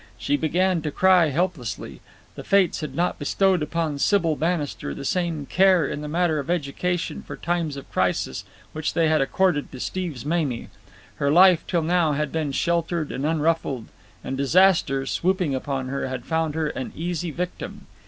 She began to cry helplessly. The fates had not bestowed upon Sybil Bannister the same care in the matter of education for times of crisis which they had accorded to Steve's Mamie. Her life till now had been sheltered and unruffled, and disaster, swooping upon her, had found her an easy victim.